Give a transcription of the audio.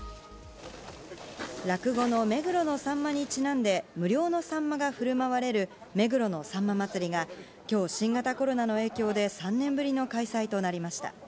落語の目黒のさんまにちなんで、無料のサンマがふるまわれる目黒のさんま祭が、きょう、新型コロナの影響で３年ぶりの開催となりました。